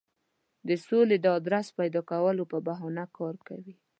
د سولې د آدرس پیدا کولو په بهانه کار کوي.